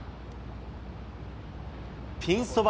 ピンそば